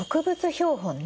標本ね。